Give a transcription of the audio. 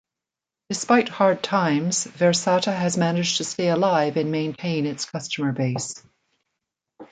Despite hard times, Versata has managed to stay alive and maintain its customer base.